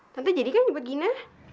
tante jadikan nyempet gina